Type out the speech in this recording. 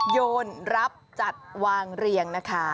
โยนรับจัดวางเรียงนะคะ